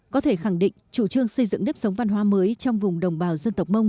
có thể khẳng định chủ trương xây dựng nếp sống văn hóa mới trong vùng đồng bào dân tộc mông